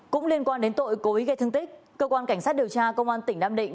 cũng liên quan đến tội cố ý gây thương tích cơ quan cảnh sát điều tra công an tỉnh nam định